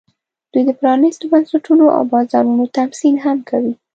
دوی د پرانېستو بنسټونو او بازارونو تمثیل هم کوي